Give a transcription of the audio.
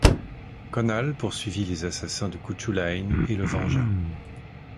Conall poursuivit les assassins de Cúchulainn et le vengea.